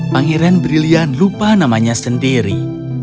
pangeran brilian lupa namanya sendiri